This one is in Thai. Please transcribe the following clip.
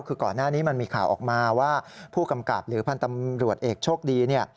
คือก่อนหน้านี้มันมีข่าวออกมาว่าผู้กำกับหรือพันธ์ตำรวจเอกโชคดีเนี่ย